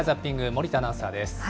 森田アナウンサーです。